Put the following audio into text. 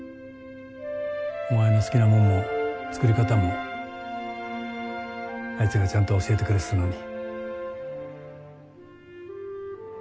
お前の好きなもんも作り方もあいつがちゃんと教えてくれてたのに。